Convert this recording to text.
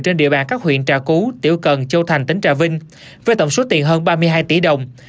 trên địa bàn các huyện trà cú tiểu cần châu thành tỉnh trà vinh với tổng số tiền hơn ba mươi hai tỷ đồng